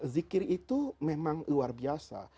zikir itu memang luar biasa